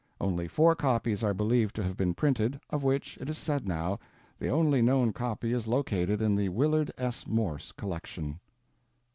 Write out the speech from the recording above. Only four copies are believed to have been printed, of which, it is said now, the only known copy is located in the Willard S. Morse collection.